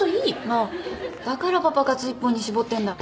あっだからパパ活一本に絞ってんだ。